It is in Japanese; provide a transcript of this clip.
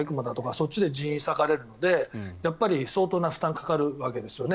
そっちで人員を割かれるので相当な負担がかかるわけですね。